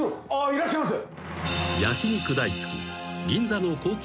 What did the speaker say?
いらっしゃいませ」